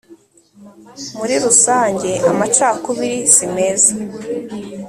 Muri rusange amacakubiri simeza